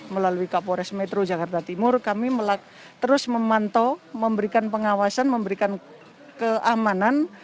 melalui kapolres metro jakarta timur kami terus memantau memberikan pengawasan memberikan keamanan